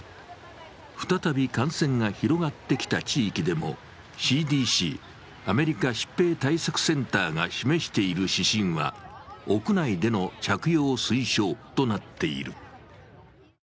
再び感染が広がってきた地域でもＣＤＣ＝アメリカ疾病対策センターが示している指針は屋内での着用推奨となっている。